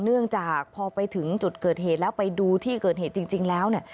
เนื่องจากพอไปถึงจุดเกิดเหตุแล้วไปดูที่เกิดเหตุจริงแล้วเนี่ย